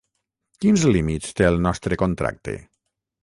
Quins límits té el nostre contracte?